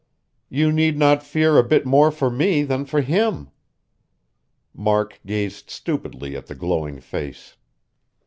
You need not fear a bit more for me than for him." Mark gazed stupidly at the glowing face.